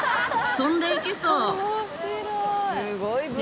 飛んでいきそうね